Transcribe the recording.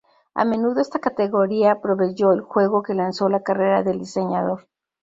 A menudo esta categoría proveyó el juego que lanzó la carrera del diseñador.